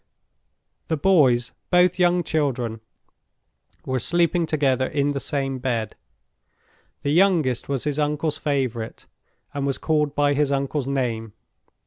The boys—both young children—were sleeping together in the same bed. The youngest was his uncle's favorite, and was called by his uncle's name.